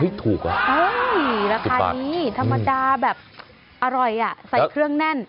เฮ้ยถูกอะ๑๐บาทราคานี้ธรรมดาแบบอร่อยอะใส่เครื่องแน่น